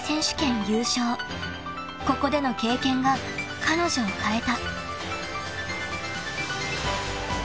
［ここでの経験が彼女を変えた］